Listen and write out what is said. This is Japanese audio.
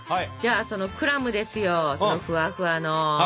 じゃあそのクラムですよふわふわの。